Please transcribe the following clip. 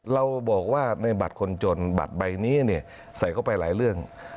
เราบอกว่าในบัตรคนจนบัตรใบนี้เนี่ยใส่เข้าไปหลายเรื่อง